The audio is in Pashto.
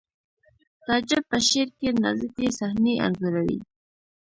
تعجب په شعر کې نازکې صحنې انځوروي